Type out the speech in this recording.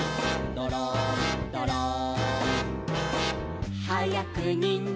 「どろんどろん」